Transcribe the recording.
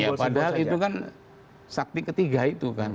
iya padahal itu kan sakti ketiga itu kan